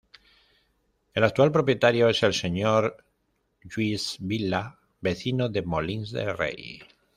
El actual propietario es el señor Lluís Vila, vecino de Molins de Rei.